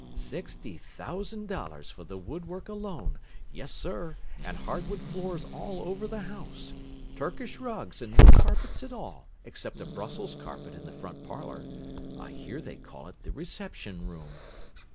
"Sixty thousand dollars for the wood work alone! Yes, sir, and hardwood floors all over the house! Turkish rugs and no carpets at all, except a Brussels carpet in the front parlour—I hear they call it the 'reception room.